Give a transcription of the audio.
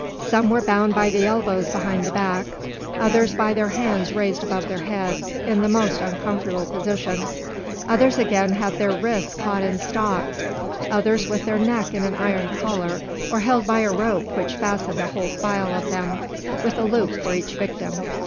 Some were bound by the elbows behind the back; others by their hands raised above their head, in the most uncomfortable position; others again had their wrists caught in stocks; others with their neck in an iron collar or held by a rope which fastened a whole file of them, with a loop for each victim.